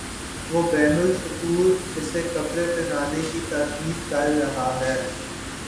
وہ بین السطور اسے کپڑے پہنانے کی تاکید کر رہا ہے۔